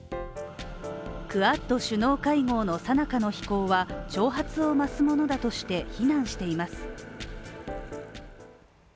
クアッド首脳会合の最中の飛行は挑発を増すものだとして非難しています。